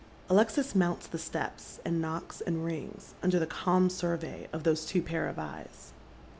Alexis mounts the steps, and knocks and rings, under the calm Bui vey of those two pair of eyes.